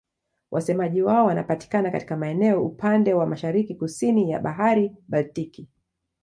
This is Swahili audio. Wasemaji wao wanapatikana katika maeneo upande wa mashariki-kusini ya Bahari Baltiki.